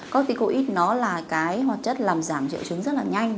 corticoid nó là cái hoạt chất làm giảm triệu chứng rất là nhanh